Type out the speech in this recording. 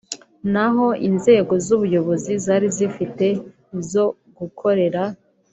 ntaho inzego z’ubuyobozi zari zifite zo gukorera